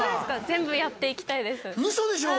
全部やっていきたいです嘘でしょ？